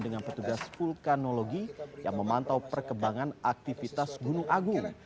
dengan petugas vulkanologi yang memantau perkembangan aktivitas gunung agung